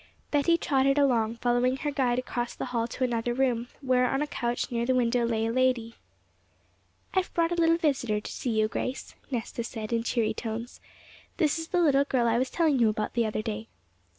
Betty trotted along, following her guide across the hall to another room, where on a couch near the window lay a lady. 'I've brought a little visitor to see you, Grace,' Nesta said in cheery tones. 'This is the little girl I was telling you about the other day.'